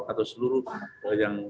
atau seluruh yang